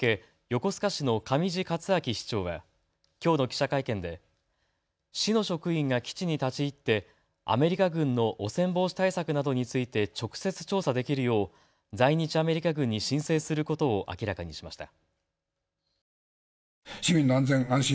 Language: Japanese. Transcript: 横須賀市の上地克明市長はきょうの記者会見で市の職員が基地に立ち入ってアメリカ軍の汚染防止対策などについて直接調査できるよう在日アメリカ軍に申請することを明らかにしました。